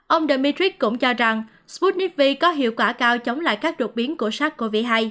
ông dmitrick cũng cho rằng sputnik v có hiệu quả cao chống lại các đột biến của sars cov hai